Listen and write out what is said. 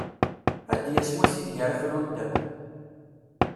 Ad d-yas wass ideg ara frunt akk.